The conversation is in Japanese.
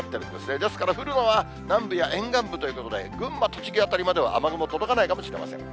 ですから、降るのは南部や沿岸部という所で、群馬、栃木辺りまでは雨雲届かないかもしれません。